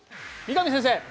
三上先生！